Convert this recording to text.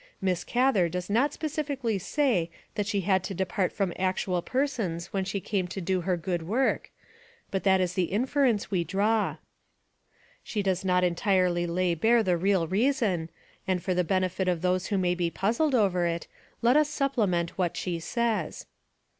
Miss Gather does not specifically say that she had to depart from 260 THE WOMEN WHO MAKE OUR NOVELS actual persons when she came to do her good work, but that is the inference we draw. She does not en tirely lay bare the real reason; and for the benefit of those who may be puzzled over it let us supplement what she says.